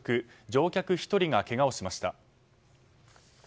乗客１人がけがをしました。